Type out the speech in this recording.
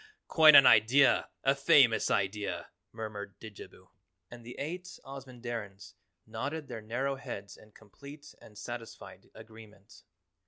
Quite an idea, a famous idea!" murmured Didjabo, and the eight Ozamandarins nodded their narrow heads in complete and satisfied agreement.